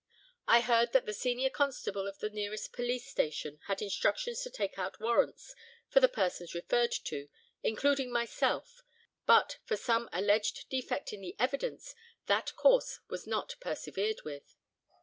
I heard that the senior constable of the nearest police station had instructions to take out warrants for the persons referred to, including myself, but, from some alleged defect in the evidence, that course was not persevered with.